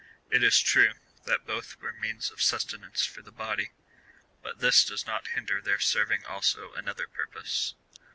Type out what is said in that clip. It is true, that both were means of sustenance for the body, but this does not hinder their serving also another purpose.